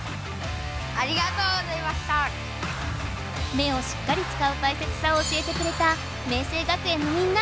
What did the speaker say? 目をしっかり使う大切さを教えてくれた明晴学園のみんな！